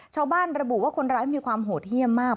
ชาวบ้านระบุว่าคนร้ายมีความโหดเยี่ยมมาก